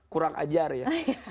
kurang ajar ya